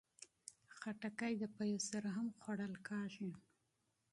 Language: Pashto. خټکی د شیدو سره هم خوړل کېږي.